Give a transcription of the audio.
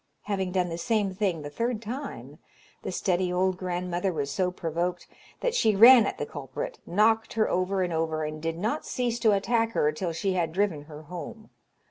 Having done the same thing the third time, the steady old grandmother was so provoked, that she ran at the culprit, knocked her over and over, and did not cease to attack her till she had driven her home.